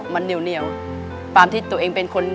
เป็นความที่ตัวเองเป็นคน